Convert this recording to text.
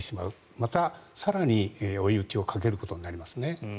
また、更に追い打ちをかけることになりますね。